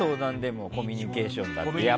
コミュニケーションだって。